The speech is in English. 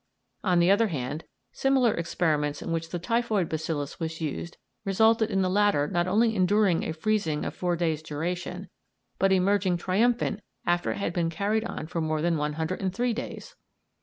On the other hand, similar experiments in which the typhoid bacillus was used resulted in the latter not only enduring a freezing of four days' duration, but emerging triumphant after it had been carried on for more than 103 days!